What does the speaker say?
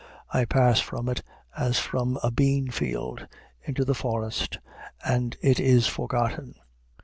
I pass from it as from a bean field into the forest, and it is forgotten.